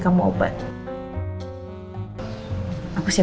kayak siapa yang yung